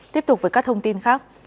tiếp tục với các thông tin khác